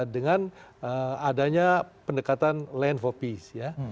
dengan adanya pendekatan land for peace ya